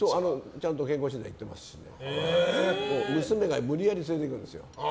ちゃんと健康診断行ってますし娘が無理矢理連れていくんですよ。